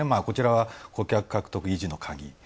こちらは、顧客獲得維持のカギ。